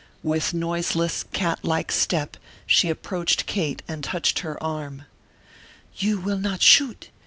With noiseless, cat like step she approached Kate and touched her arm. "You will not shoot?